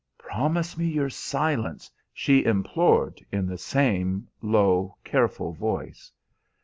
'Promise me your silence!' she implored in the same low, careful voice.